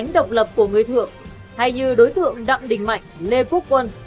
động lập của người thượng hay như đối tượng đặng đình mạnh lê quốc quân